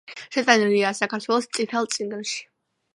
შეტანილია საქართველოს წითელ წიგნში.